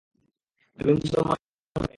আমি মুসলমান হয়ে গেলাম।